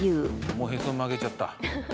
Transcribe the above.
もうへそ曲げちゃった。